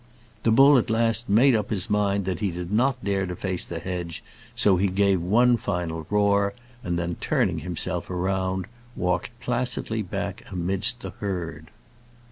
The bull at last made up his mind that he did not dare to face the hedge; so he gave one final roar, and then turning himself round, walked placidly back amidst the herd.